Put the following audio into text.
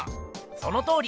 そのとおり！